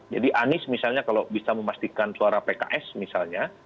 jadi anies misalnya kalau bisa memastikan suara pks misalnya